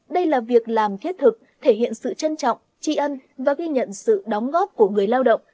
đây là việc làm thiết thực thể hiện sự trân trọng tri ân và ghi nhận sự đóng góp của người lao động